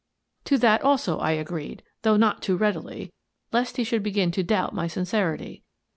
To that also I agreed, though not too readily, lest he should begin to doubt my sincerity.